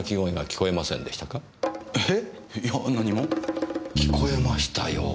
聞こえましたよ。